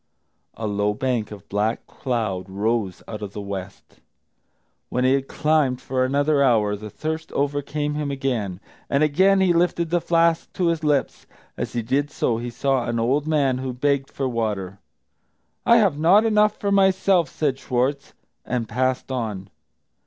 A low bank of black cloud rose out of the west. When he had climbed for another hour, the thirst overcame him again, and again he lifted the flask to his lips. As he did so, he saw an old man who begged for water. "I have not enough for myself," said Schwartz, and passed on.